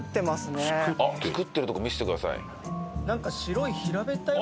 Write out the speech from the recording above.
作ってるとこ見せてください。